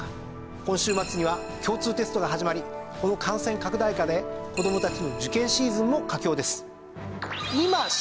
今週末には共通テストが始まりこの感染拡大禍で子どもたちの受験シーズンも佳境です。